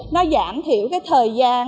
nó giảm thiểu thời gian